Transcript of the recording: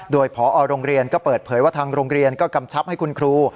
โดยพอโรงเรียนก็เปิดเผยว่าทางโรงเรียนก็กำชับให้คุณครู